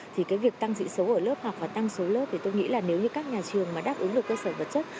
thì cái việc tăng sĩ số ở lớp học và tăng số lớp thì tôi nghĩ là nếu như các nhà trường mà đáp ứng được cơ sở vật chất